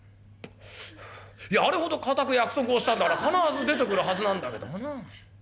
ふうあれほど固く約束をしたんだから必ず出てくるはずなんだけどもな。